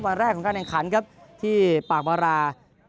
วันแรกของการแข่งขันครับที่ปากบารา